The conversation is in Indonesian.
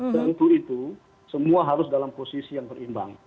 dan untuk itu semua harus dalam posisi yang berimbang